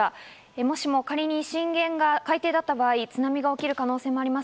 もしも仮に震源が海底だった場合、津波が起きる可能性もあります。